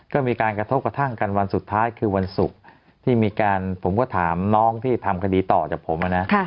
ก็มีการกระทบกระทั่งกันวันสุดท้ายคือวันศุกร์ที่มีการผมก็ถามน้องที่ทำคดีต่อจากผมนะ